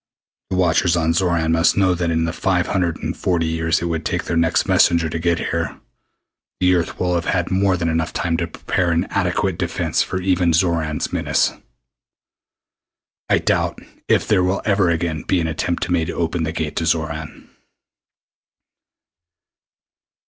The watchers on Xoran must know that in the five hundred and forty years it would take their next messenger to get here, the Earth will have had more than enough time to prepare an adequate defense for even Xoran's menace. I doubt if there will ever again be an attempt made to open the Gate to Xoran."